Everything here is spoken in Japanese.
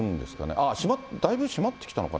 あー、だいぶ閉まってきたのかな。